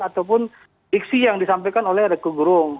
ataupun diksi yang disampaikan oleh roky gerung